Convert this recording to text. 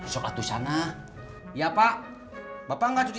sudah precedez masaknya yuk